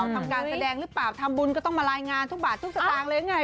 ทำการแสดงหรือเปล่าทำบุญก็ต้องมารายงานทุกบาททุกสตางค์เลยยังไง